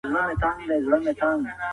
او ساتونکی اوس د هغه په وړاندې کمزوری و.